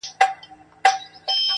ښۀ راغلې حمزه وته ريباره خو